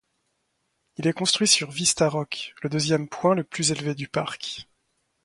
Il est construit sur Vista Rock, le deuxième point le plus élevé du parc.